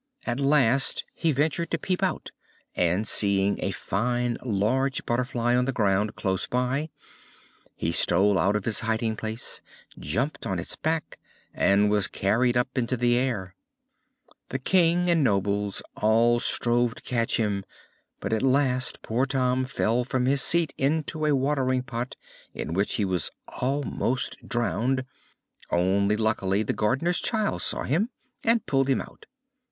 At last he ventured to peep out, and, seeing a fine large butterfly on the ground close by, he stole out of his hiding place, jumped on its back, and was carried up into the air. The King and nobles all strove to catch him, but at last poor Tom fell from his seat into a watering pot, in which he was almost drowned, only luckily the gardener's child saw him, and pulled him out.